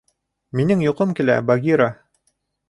Минең йоҡом килә, Багира.